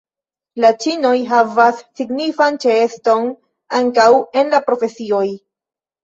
La ĉinoj havas signifan ĉeeston ankaŭ en la profesioj.